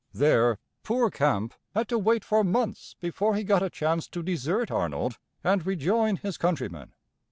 There poor Campe had to wait for months before he got a chance to desert Arnold and rejoin his countrymen.